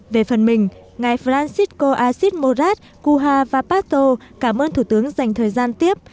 về phần mình ngài francisco asit morat cunha vapato cảm ơn thủ tướng dành thời gian tiếp